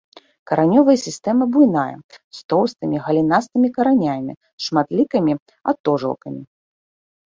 Каранёвая сістэма буйная з тоўстымі галінастымі каранямі з шматлікімі атожылкамі.